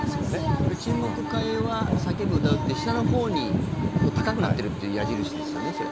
これ沈黙、会話、叫ぶ歌うって、下のほうに高くなってるっていう矢印ですよね、それ。